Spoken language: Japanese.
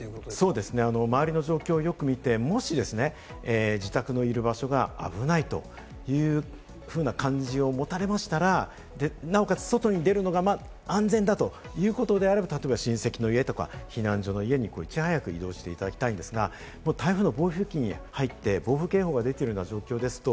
そうですね、周りの状況を見て、もし自宅のいる場所が危ないというふうな感じを持たれましたら、なおかつ外に出るのが安全だということであるならば、例えば親戚の家とか避難所にいち早く避難していただきたいんですが、台風の暴風域に入って暴風警報が出ている状況でした。